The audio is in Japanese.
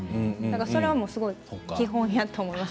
それはすごいお手本になると思います。